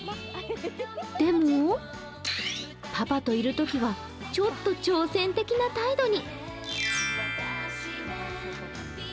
でもパパといるときはちょっと挑戦的な態度に。